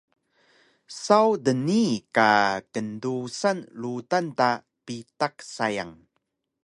Saw dnii ka kndusan rudan ta bitaq sayang